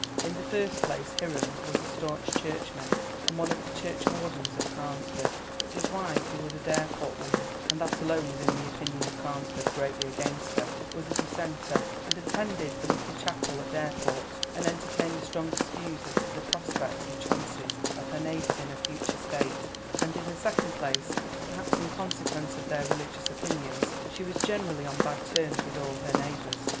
In the first place, Hiram was a staunch Churchman, and one of the churchwardens at Carnesford; but his wife, who was a Dareport woman and that alone was in the opinion of Carnesford greatly against her was a Dissenter, and attended the little chapel at Dareport, and entertained the strongest views as to the prospects and chances of her neighbours in a future state; and in the second place, perhaps in consequence of their religious opinions, she was generally on bad terms with all her neighbours.